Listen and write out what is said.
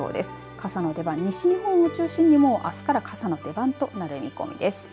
傘の出番、西日本を中心に朝から傘の出番となる見込みです。